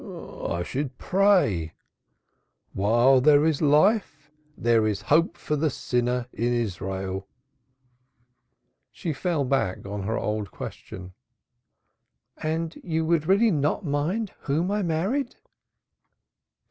"I should pray. While there is life there is hope for the sinner in Israel." She fell back on her old question. "And you would really not mind whom I married?"